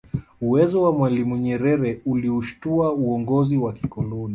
Uwezo wa mwalimu Nyerere uliushitua uongozi wa kikoloni